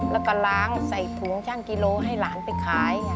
แล้วก็ล้างใส่ถุงช่างกิโลให้หลานไปขาย